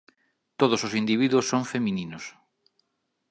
Todos os individuos son femininos.